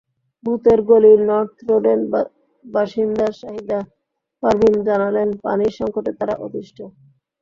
ভূতের গলির নর্থ রোডের বাসিন্দা সাহিদা পারভীন জানালেন পানির সংকটে তাঁরা অতিষ্ঠ।